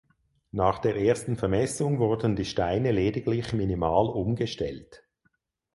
Nach der ersten Vermessung wurden die Steine lediglich minimal umgestellt.